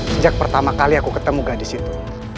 sejak pertama kali aku ketemu gadis itu